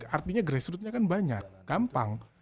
artinya grassrootnya kan banyak gampang